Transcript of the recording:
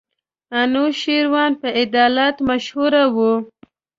انوشېروان په عدالت مشهور وو.